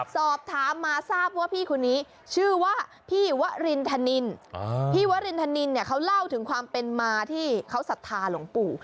สอบถามมาทราบว่าพี่คนนี้ชื่อว่าพี่วรินทนินพี่วรินทนินเนี่ยเขาเล่าถึงความเป็นมาที่เขาศรัทธาหลวงปู่